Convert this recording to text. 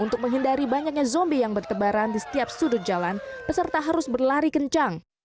untuk menghindari banyaknya zombie yang bertebaran di setiap sudut jalan peserta harus berlari kencang